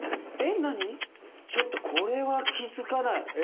ちょっとこれは気づかない。